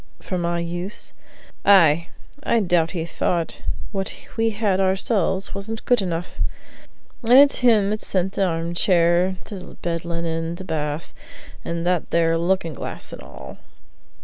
"For my use?" "Ay; I doubt he thought what we had ourselves wasn't good enough. An' it's him 'at sent t' armchair, t'bed linen, t'bath, an' that there lookin' glass an' all."